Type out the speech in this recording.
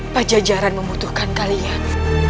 pajajaran membutuhkan kalian